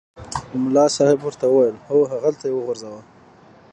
ملا صاحب ورته وویل هوغلته یې وغورځوه.